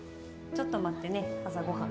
ちょっと待ってね、朝ご飯。